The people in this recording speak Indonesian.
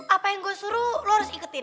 apa yang gue suruh lo harus ikutin